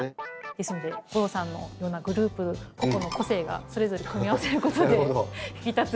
ですので吾郎さんのようなグループ個々の個性がそれぞれ組み合わせることで引き立つような。